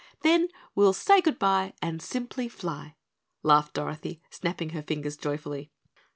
"Then we'll say goodbye and simply fly," laughed Dorothy, snapping her fingers joyfully.